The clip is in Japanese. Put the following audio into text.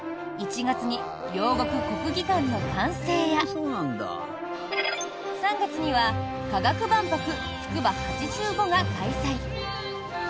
１月に両国国技館の完成や３月には科学万博つくば’８５が開催。